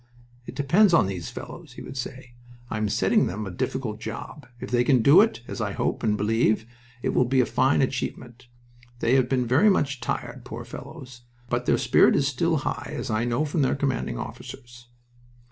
"It depends on these fellows," he would say. "I am setting them a difficult job. If they can do it, as I hope and believe, it will be a fine achievement. They have been very much tried, poor fellows, but their spirit is still high, as I know from their commanding officers."